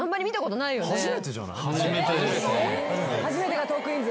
初めてが『トークィーンズ』？